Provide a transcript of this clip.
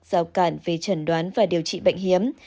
giao cản về trần đoán và điều trị bệnh hiếm